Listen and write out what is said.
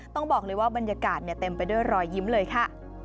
ต้องบอกเลยว่าบรรยากาศเต็มไปด้วยรอยยิ้มเลยค่ะ